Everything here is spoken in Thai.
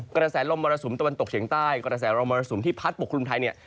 กระแสลมมรสุมตะวันตกเฉียงใต้กระแสลมมรสุมที่พัดปกครุมไทยเนี่ย